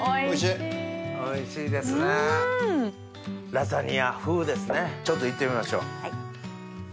ラザニア風ですねちょっといってみましょう。